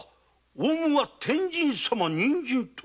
オウムは「天神様人参」と。